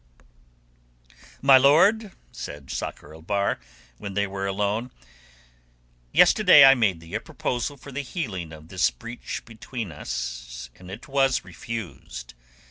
"My lord," said Sakr el Bahr, when they were alone, "yesterday I made thee a proposal for the healing of this breach between us, and it was refused.